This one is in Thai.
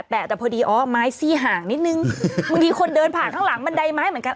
แต่พอดีอ๋อไม้ซี่ห่างนิดนึงบางทีคนเดินผ่านข้างหลังบันไดไม้เหมือนกัน